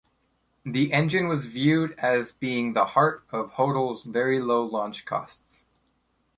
The engine was viewed as being "the heart of Hotol's very low launch costs".